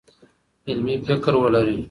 علمي فکر ولرئ.